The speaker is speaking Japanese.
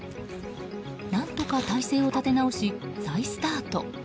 何とか体勢を立て直し再スタート。